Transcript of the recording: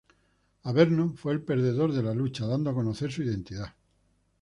Averno fue el perdedor de la lucha, dando a conocer su identidad.